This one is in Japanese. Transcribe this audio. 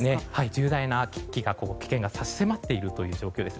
重大な危険が差し迫っているという状況です。